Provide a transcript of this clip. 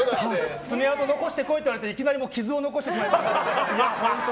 爪痕残してこいって言われていきなり傷を残してしまいました。